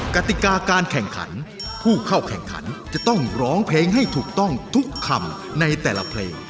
กติกาการแข่งขันผู้เข้าแข่งขันจะต้องร้องเพลงให้ถูกต้องทุกคำในแต่ละเพลง